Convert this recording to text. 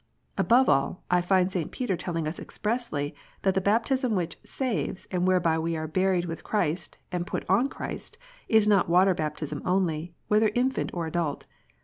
Above all, I find St. Peter telling us expressly, that the baptism which " saves," and whereby we are buried with Christ, and put on Christ, is not water baptism only, whether infant or adult.